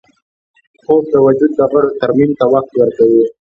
خوب د وجود د غړو ترمیم ته وخت ورکوي